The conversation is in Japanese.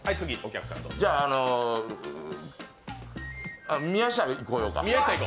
じゃあ、宮下いこうか。